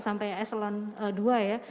sampai aislan ii ya